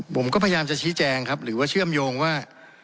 ผมก็พยายามจะชี้แจงครับหรือว่าเชื่อมโยงว่า